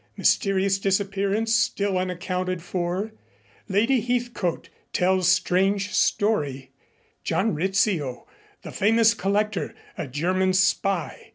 MYSTERIOUS DISAPPEARANCE STILL UNACCOUNTED FOR. LADY HEATHCOTE TELLS STRANGE STORY. JOHN RIZZIO, THE FAMOUS COLLECTOR, A GERMAN SPY.